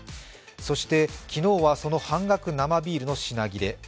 そして昨日はその半額生ビールの品切れ。